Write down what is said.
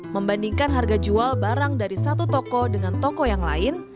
membandingkan harga jual barang dari satu toko dengan toko yang lain